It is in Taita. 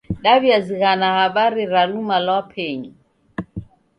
Daw'iazighana habari ra luma lwa penyu.